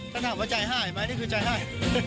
ถามว่าใจหายไหมนี่คือใจหาย